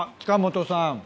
近本さん。